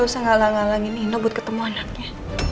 lo bisa gak sih gak usah ngalah ngalangin ino buat ketemu anaknya